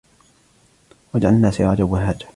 وَجَعَلْنَا سِرَاجًا وَهَّاجًا